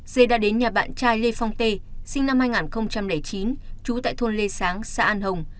dê đã đến nhà bạn trai lê phong t sinh năm hai nghìn chín trú tại thôn lê sáng xã an hồng